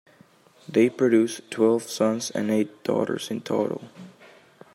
They produced twelve sons and eight daughters in total.